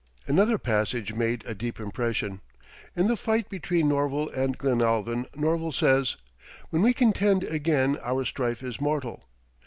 Another passage made a deep impression. In the fight between Norval and Glenalvon, Norval says, "When we contend again our strife is mortal."